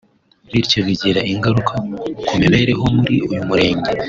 bityo bigira ingaruka ku mibereho muri uyu murenge